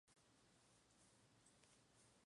El boxeo tiene ciertas reglas de protocolo.